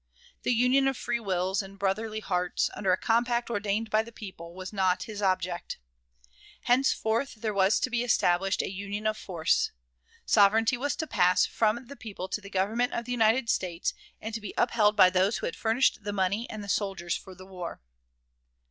The Union of free wills and brotherly hearts, under a compact ordained by the people, was not his object. Henceforth there was to be established a Union of force. Sovereignty was to pass from the people to the Government of the United States, and to be upheld by those who had furnished the money and the soldiers for the war.